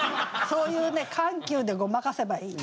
そういう緩急でごまかせばいい。